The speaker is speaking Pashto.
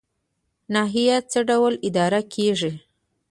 ناحیه څه ډول اداره کیږي؟